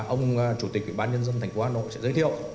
ông chủ tịch bán nhân dân thành phố hà nội sẽ giới thiệu